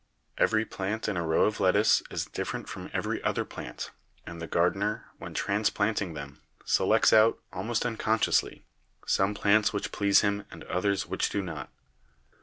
Every plant in a row of lettuce is different from* every other plant, and the gardener, when transplanting them, selects out, almost unconsciously, some plants which please him and others which do not.